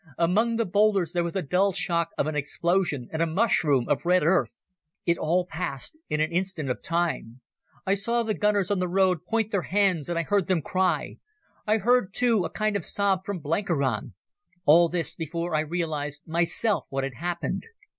Among the boulders there was the dull shock of an explosion and a mushroom of red earth. It all passed in an instant of time: I saw the gunners on the road point their hands and I heard them cry; I heard too, a kind of sob from Blenkiron—all this before I realized myself what had happened.